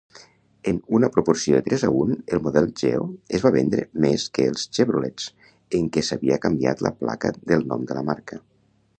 En una proporció de tres a un, el model Geo es va vendre més que els Chevrolets en què s'havia canviat la placa del nom de la marca.